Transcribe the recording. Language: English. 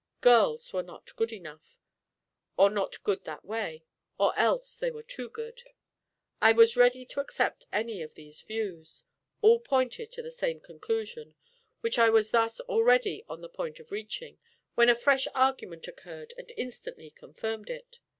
Girls were not good enough, or not good that way, or else they were too good. I was ready to accept any of these views: all pointed to the same conclusion, which I was thus already on the point of reaching, when a fresh argument occurred, and instantly confirmed it.